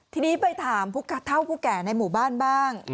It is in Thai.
ทีนี้ไปถามผู้เท่าผู้แก่ในหมู่บ้านบ้าง